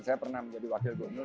saya pernah menjadi wakil gubernur